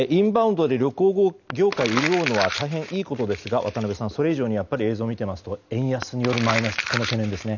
インバウンドで旅行業界が潤うのは大変いいことですが渡辺さん、それ以上にやっぱり映像を見ていますと円安によるマイナスの懸念ですね。